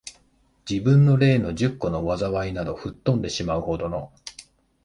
自分の例の十個の禍いなど、吹っ飛んでしまう程の、